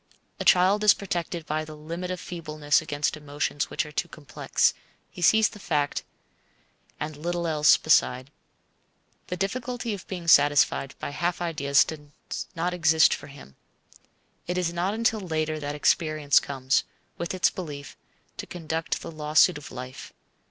A child is protected by the limit of feebleness against emotions which are too complex. He sees the fact, and little else beside. The difficulty of being satisfied by half ideas does not exist for him. It is not until later that experience comes, with its brief, to conduct the lawsuit of life.